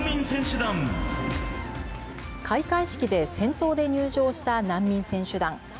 開会式で先頭で入場した難民選手団。